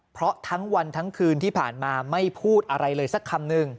เพราะทั้งวันทั้งคืนที่ผ่านมาไม่พูดอะไรเลยสักคำหนึ่ง